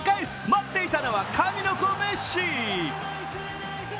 待っていたのは神の子メッシ。